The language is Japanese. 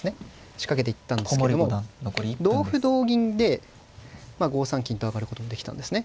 仕掛けていったんですけども同歩同銀で５三金と上がることもできたんですね。